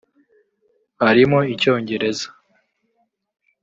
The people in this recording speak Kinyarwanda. harimo Icyongereza